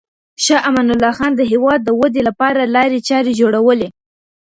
شاه امان الله خان د هېواد د ودې لپاره لارې چارې جوړولې.